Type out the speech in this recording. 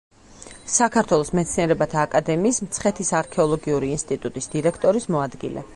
საქართველოს მეცნიერებათა აკადემიის მცხეთის არქეოლოგიური ინსტიტუტის დირექტორის მოადგილე.